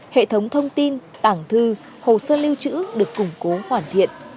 hệ thống thông tin tảng thư hồ sơ lưu trữ được củng cố hoàn thiện